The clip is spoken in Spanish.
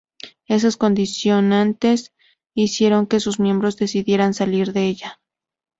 Esas condicionantes hicieron que sus miembros decidieran salir de ella.